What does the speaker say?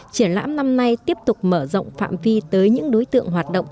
triển lãm năm nay tiếp tục mở rộng phạm vi tới những đối tượng hoạt động